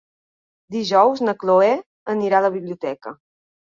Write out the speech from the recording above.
Dijous na Cloè anirà a la biblioteca.